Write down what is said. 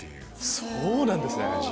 そうなんですね！